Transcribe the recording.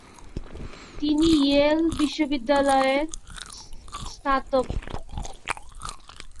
তিনি ইয়েল বিশ্ববিদ্যালয়ের স্নাতক।